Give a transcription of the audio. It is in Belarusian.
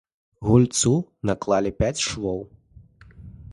Гульцу наклалі пяць швоў.